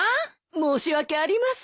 申し訳ありません。